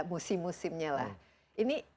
musim musimnya lah ini